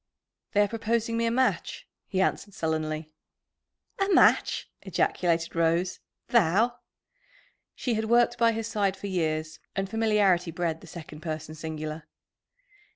"They are proposing me a match," he answered sullenly. "A match!" ejaculated Rose. "Thou!" She had worked by his side for years, and familiarity bred the second person singular.